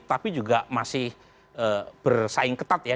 tapi juga masih bersaing ketat ya